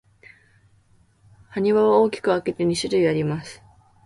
埴輪は大きく分けて二種類あります。